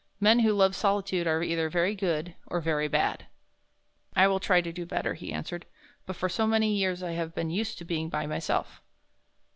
"Men who love solitude are either very good or very bad." "I will try to do better," he answered, "but for so many years I have been used to being by myself."